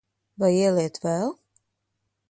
Vai ieliet vēl?